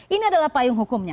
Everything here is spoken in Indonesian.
ini adalah payung hukumnya